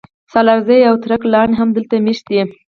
سالارزي او ترک لاڼي هم دلته مېشت دي